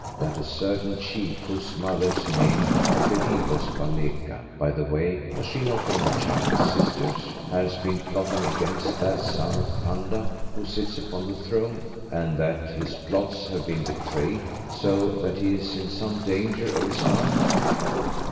—that a certain chief, whose mother's name I believe was Baleka—by the way, was she not one of Chaka's 'sisters'?—has been plotting against that son of Panda who sits upon the throne, and that his plots have been betrayed, so that he is in some danger of his life."